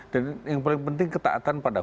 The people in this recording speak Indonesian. dan yang paling penting ketaatan pada